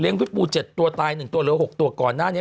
เลี้ยงพี่ปู๗ตัวตาย๑ตัวหรือ๖ตัวก่อนหน้านี้